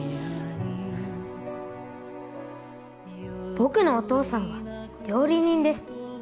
・僕のお父さんは料理人です